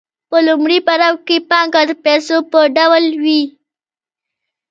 په لومړي پړاو کې پانګه د پیسو په ډول وي